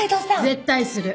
絶対する。